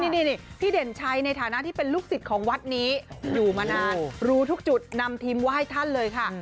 นี่พี่เด่นชัยในฐานะที่เป็นลูกศิษย์ของวัดนี้อยู่มานานรู้ทุกจุดนำทีมไหว้ท่านเลยค่ะ